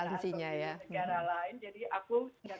tadi sudah disampaikan sebagai diplomat